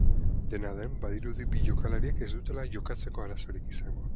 Dena den, badirudi bi jokalariek ez dutela jokatzeko arazorik izango.